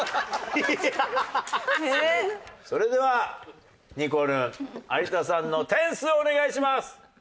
それではにこるん有田さんの点数をお願いします。